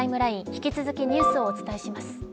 引き続きニュースをお伝えします。